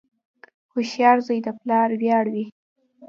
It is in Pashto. • هوښیار زوی د پلار ویاړ وي.